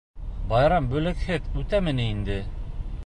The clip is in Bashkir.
Байрам бүләкһеҙ үтәме ни инде?